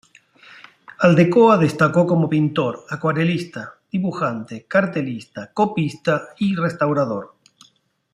Aldecoa destacó como pintor, acuarelista, dibujante, cartelista, copista y restaurador.